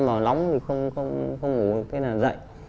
vâng vâng vâng